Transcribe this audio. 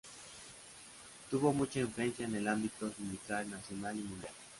Tuvo mucha influencia en el ámbito sindical nacional y mundial.